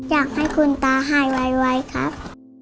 อยากให้คุณตาหายไวครับ